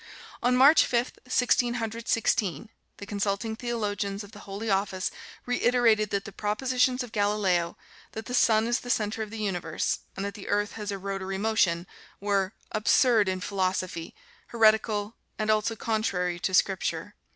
On March Fifth, Sixteen Hundred Sixteen, the consulting theologians of the Holy Office reiterated that the propositions of Galileo, that the sun is the center of the universe, and that the earth has a rotary motion, were "absurd in philosophy, heretical, and also contrary to Scripture."